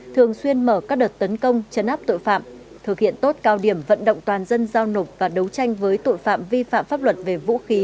thường xuyên mở các đợt tấn công chấn áp tội phạm thực hiện tốt cao điểm vận động toàn dân giao nộp và đấu tranh với tội phạm vi phạm pháp luật về vũ khí